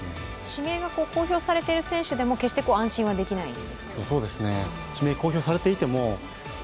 指名が公表されている選手でも決して安心はできないんですか？